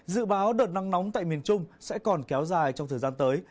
dự báo đợt nắng nóng tại miền trung sẽ còn kéo dài trong thời gian tới